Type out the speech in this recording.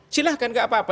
silahkan gak apa apa